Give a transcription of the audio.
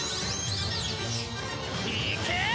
いけ！